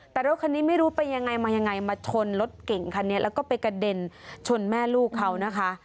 แต่รถคันนี้ไม่รู้ไปยังไงมายังไงมาชนรถเก่งคันนี้แล้วก็ไปกระเด็นชนแม่ลูกเขานะคะ